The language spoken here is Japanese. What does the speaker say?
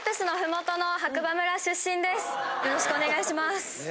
よろしくお願いします。